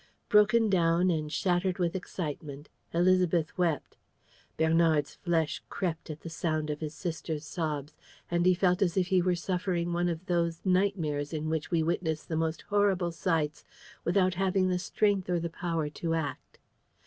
Broken down and shattered with excitement, Élisabeth wept. Bernard's flesh crept at the sound of his sister's sobs and he felt as if he was suffering from one of those nightmares in which we witness the most horrible sights without having the strength or the power to act.